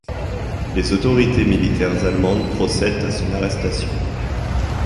Les autorités militaires allemandes procèdent à son arrestation.